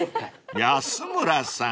［安村さん！］